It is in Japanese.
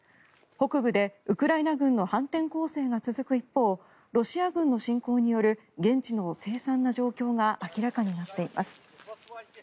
北部でウクライナ軍の反転攻勢が続く一方ロシア軍の侵攻による現地のせい惨な状況が明らかになっています。